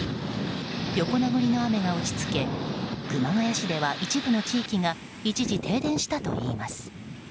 横殴りの雨が打ち付け熊谷市では、一部の地域が一時停電したといいます。